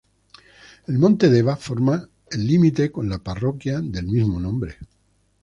El monte "Deva" forma el límite con la parroquia del mismo nombre.